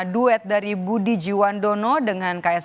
duet dari budi jiwandono dengan kaisang pangarap